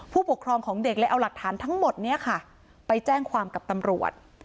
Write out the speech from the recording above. ผู้ปกครองของเด็กเลยเอาหลักฐานทั้งหมดนี้ค่ะไปแจ้งความกับตำรวจ